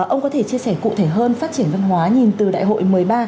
ông có thể chia sẻ cụ thể hơn phát triển văn hóa nhìn từ đại hội một mươi ba